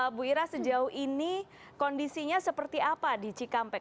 ibu ira sejauh ini kondisinya seperti apa di cikampek